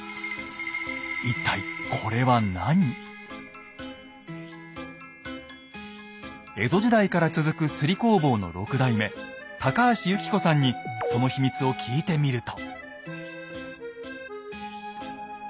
一体江戸時代から続く摺り工房の６代目高橋由貴子さんにその秘密を聞いてみると。